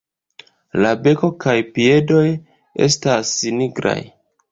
La beko kaj piedoj estas nigraj.